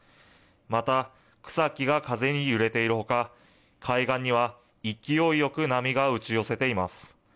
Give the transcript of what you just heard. また、草木が風に揺れているほか、海岸には勢いよく波が打ち寄せています。